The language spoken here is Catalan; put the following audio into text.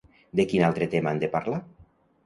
De quin altre tema han de parlar?